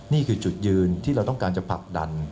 นี่คือจุดยืนที่เราต้องการจะผลักดัน